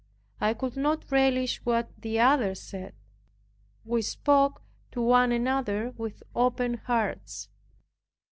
I could not relish what the other said." We spoke to one another with open hearts.